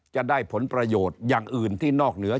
จะได้ผลประโยชน์อย่างอื่นที่นอกเหนือ